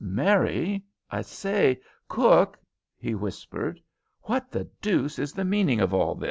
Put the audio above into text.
"Mary, I say. Cook," he whispered, "what the deuce is the meaning of all this?"